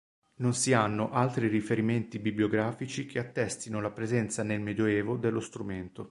Non si hanno altri riferimenti bibliografici che attestino la presenza nel medioevo dello strumento.